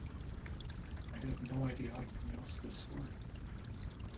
Shukla.